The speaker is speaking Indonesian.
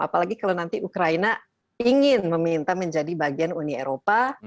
apalagi kalau nanti ukraina ingin meminta menjadi bagian uni eropa